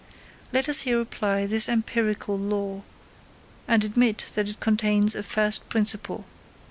Let us here apply this empirical law, and admit that it contains a first principle.